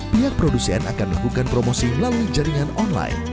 pihak produsen akan melakukan promosi melalui jaringan online